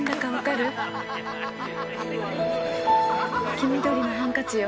黄緑のハンカチよ。